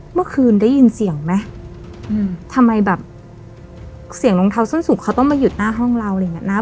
เมื่อคืนได้ยินเสียงไหมอืมทำไมแบบเสียงรองเท้าส้นสุกเขาต้องมาหยุดหน้าห้องเราอะไรอย่างเงี้นะ